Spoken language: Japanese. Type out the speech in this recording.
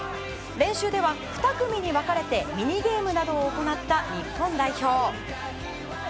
練習では２組に分かれてミニゲームなどを行った日本代表。